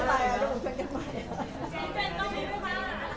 สวัสดีค่ะ